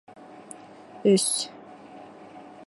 Өс.